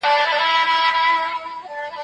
هغه چمتو دی چي خپل فکر عملي کړي.